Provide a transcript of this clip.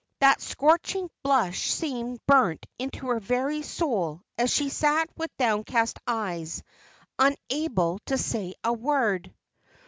That scorching blush seemed burnt into her very soul as she sat with downcast eyes, unable to say a word.